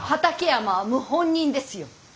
畠山は謀反人ですよ！